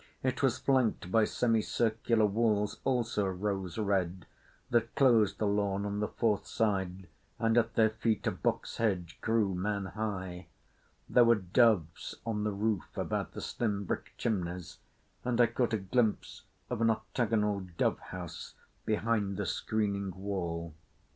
It was flanked by semi circular walls, also rose red, that closed the lawn on the fourth side, and at their feet a box hedge grew man high. There were doves on the roof about the slim brick chimneys, and I caught a glimpse of an octagonal dove house behind the screening wall.